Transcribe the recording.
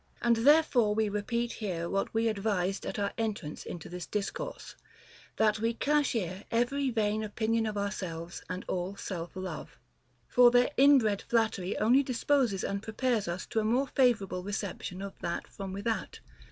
25. And therefore we repeat here what we advised at our entrance into this discourse, that we cashier every vain opinion of ourselves and all self love. For their inbred flattery only disposes and prepares us to a more favorable reception of that from without.